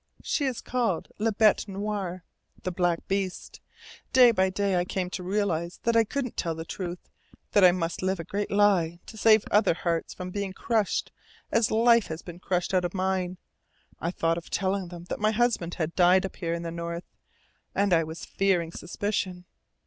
She is called La bete noir the black beast. Day by day I came to realize that I couldn't tell the truth, that I must live a great lie to save other hearts from being crushed as life has been crushed out of mine. I thought of telling them that my husband had died up here in the North. And I was fearing suspicion